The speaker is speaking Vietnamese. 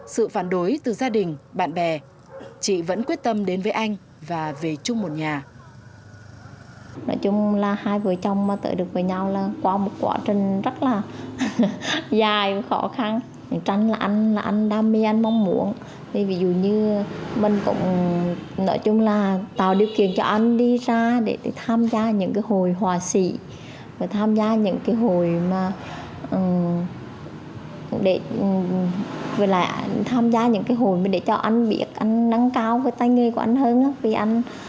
sự phản đối từ gia đình bạn bè chị vẫn quyết tâm đến với anh và về chung một nhà